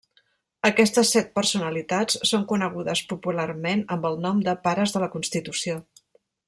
Aquestes set personalitats són conegudes popularment amb el nom de Pares de la Constitució.